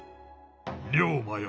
龍馬よ